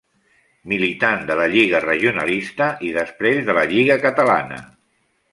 Militant de la Lliga Regionalista i després de la Lliga Catalana.